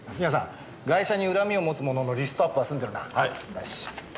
よし。